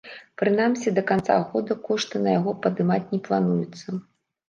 Прынамсі да канца года кошты на яго падымаць не плануецца.